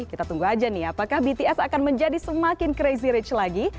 kita tunggu aja nih apakah bts akan menjadi semakin crazy rich lagi